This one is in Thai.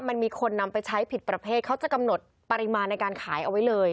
มันมีคนนำไปใช้ผิดประเภทเขาจะกำหนดปริมาณในการขายเอาไว้เลย